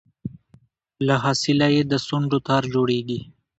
له حاصله یې د سونډو تار جوړیږي